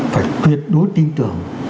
phải quyết đối tin tưởng